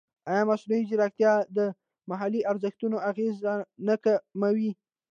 ایا مصنوعي ځیرکتیا د محلي ارزښتونو اغېز نه کموي؟